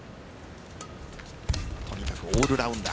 とにかくオールラウンダー。